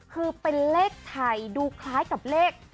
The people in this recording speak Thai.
คือเป็นเลขไทยดูคล้ายกับเลข